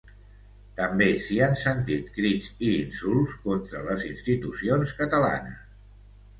També s’hi han sentit crits i insults contra les institucions catalanes.